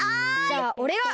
じゃあおれが。